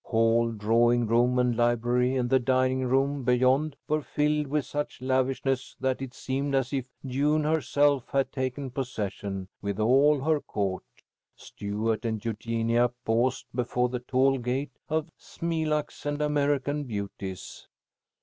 Hall, drawing room, and library, and the dining room beyond were filled with such lavishness that it seemed as if June herself had taken possession, with all her court. Stuart and Eugenia paused before the tall gate of smilax and American beauties.